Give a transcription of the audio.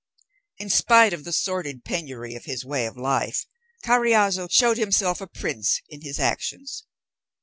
In spite of the sordid penury of his way of life, Carriazo showed himself a prince in his actions.